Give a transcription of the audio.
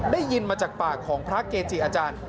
ได้ยินมาจากปากของพระเกจิอาจารย์